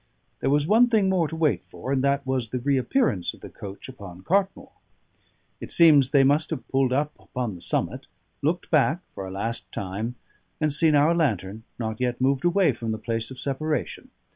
There was one thing more to wait for, and that was the reappearance of the coach upon Cartmore. It seems they must have pulled up upon the summit, looked back for a last time, and seen our lantern not yet moved away from the place of separation.